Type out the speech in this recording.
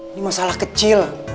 ini masalah kecil